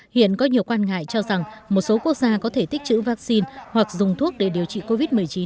hiện có nhiều quan ngại cho rằng một số quốc gia có thể tích chữ vaccine hoặc dùng thuốc để điều trị covid một mươi chín